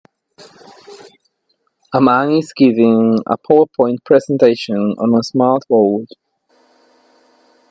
A man is giving a powerpoint presentation on a Smart board.